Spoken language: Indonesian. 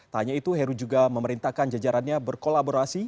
tak hanya itu heru juga memerintahkan jajarannya berkolaborasi